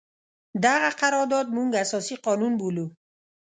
دغه قرارداد موږ اساسي قانون بولو.